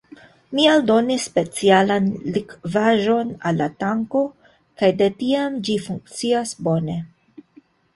Mi aldonis specialan likvaĵon al la tanko, kaj de tiam ĝi funkcias bone.